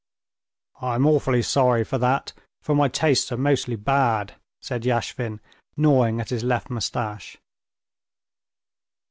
"I'm awfully sorry for that, for my tastes are mostly bad," said Yashvin, gnawing at his left mustache.